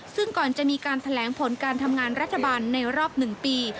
ซึ่งก่อนจะมีการแถลงผลการทำงานรัฐบาลในรอบ๑ปี